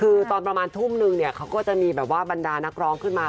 คือตอนประมาณทุ่มนึงเนี่ยเขาก็จะมีแบบว่าบรรดานักร้องขึ้นมา